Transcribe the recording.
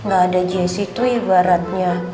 gak ada jc tuh ibaratnya